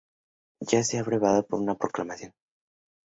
Ya se había preparado una proclamación.